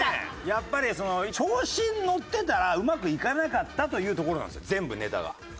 やっぱり調子に乗ってたらうまくいかなかったというところなんですよ全部ネタが。